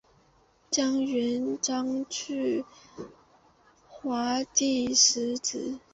状元张去华第十子。